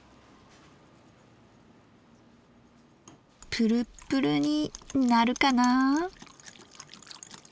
プルプルになるかな。